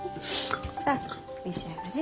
さあ召し上がれ。